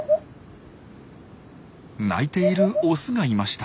鳴いているオスがいました。